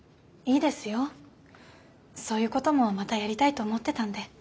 そういうこともまたやりたいと思ってたんで。